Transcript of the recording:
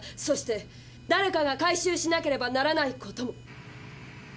そしてだれかが回収しなければならない事も。